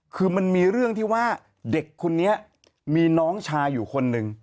คือมันมีเรื่องที่ว่าเด็กคนนี้มีน้องชายอยู่คนหนึ่ง